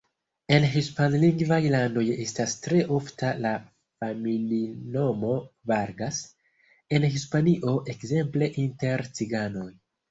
En hispanlingvaj landoj estas tre ofta la familinomo Vargas, en Hispanio ekzemple inter ciganoj.